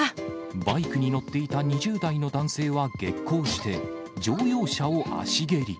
バイクに乗っていた２０代の男性は激高して、乗用車を足蹴り。